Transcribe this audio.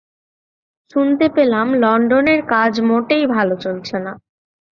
শুনতে পেলাম লণ্ডনের কাজ মোটেই ভাল চলছে না।